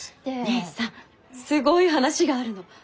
姉さんすごい話があるの。